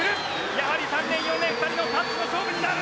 やはり３レーン、４レーン２人のタッチの勝負になる。